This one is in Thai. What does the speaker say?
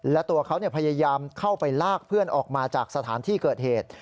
และตัวเขาพยายามเข้าไปลากเพื่อนออกมาจากสถานที่เกิดเหตุ